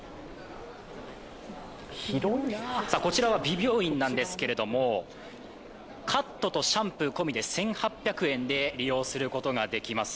こちらは美容院なんですけれども、カットとシャンプー込みで１８００円で利用することができます。